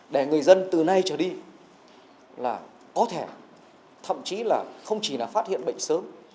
để người dân từ nay trở đi là có thể thậm chí là không chỉ là phát hiện bệnh sớm